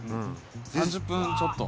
３０分ちょっと。